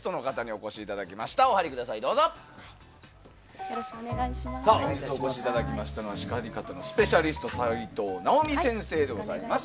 お越しいただきましたのは叱り方のスペシャリスト齋藤直美先生です。